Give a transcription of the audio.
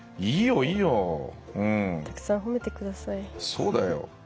そうだよ。